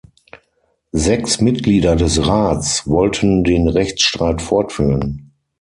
Sechs Mitglieder des Rats wollten den Rechtsstreit fortführen.